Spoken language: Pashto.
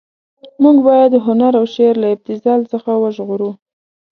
موږ باید هنر او شعر له ابتذال څخه وژغورو.